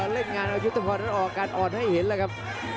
เล่นงานเอายุทธพรนั้นออกการอ่อนให้เห็นแล้วครับ